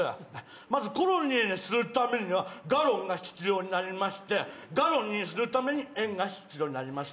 まず、コロニーにするためにはガロンが必要になりまして、ガロンにするために円が必要になります。